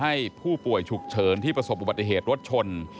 ให้ผู้ป่วยฉุกเฉินที่ประสบอุบัติเหตุรถชน